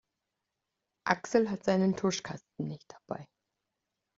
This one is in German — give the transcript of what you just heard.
Axel hat seinen Tuschkasten nicht dabei.